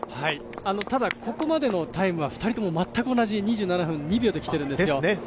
ただ、ここまでのタイムは２人とも全く同じ２７分２秒で来てるんですよ。